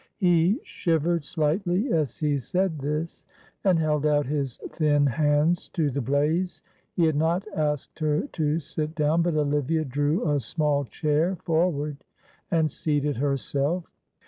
He shivered slightly as he said this, and held out his thin hands to the blaze. He had not asked her to sit down, but Olivia drew a small chair forward and seated herself.